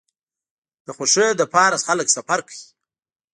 د خوښۍ لپاره خلک سفر کوي.